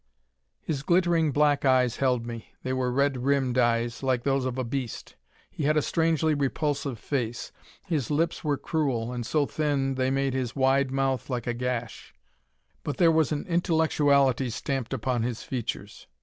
His glittering black eyes held me. They were red rimmed eyes, like those of a beast. He had a strangely repulsive face. His lips were cruel, and so thin they made his wide mouth like a gash. But there was an intellectuality stamped upon his features.